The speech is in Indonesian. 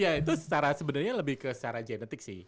ya itu secara sebenarnya lebih ke secara genetik sih